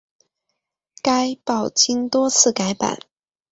该报经多次改版。